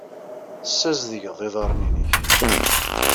Tassazedgeḍ iḍarren-nnek.